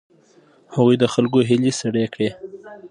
هغوی د خلکو هیلې سړې کړې.